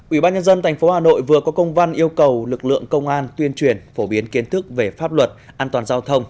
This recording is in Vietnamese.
ủy ban nhân dân tp hà nội vừa có công văn yêu cầu lực lượng công an tuyên truyền phổ biến kiến thức về pháp luật an toàn giao thông